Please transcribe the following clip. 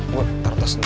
gue taruh di tos dulu